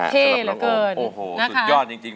เท่เหลือเกิน